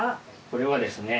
これはですね